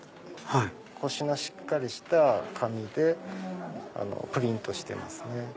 コシのしっかりした紙でプリントしてますね。